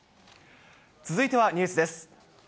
続いてはニュースです。